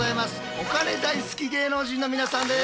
お金大好き芸能人の皆さんです。